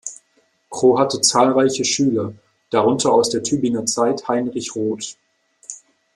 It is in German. Kroh hatte zahlreiche Schüler, darunter aus der Tübinger Zeit Heinrich Roth.